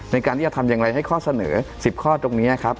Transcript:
ในการที่จะทำอย่างไรให้ข้อเสนอ๑๐ข้อตรงนี้ครับ